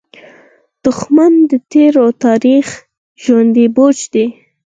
دښمن د تېر تاریخ ژوندى بوج دی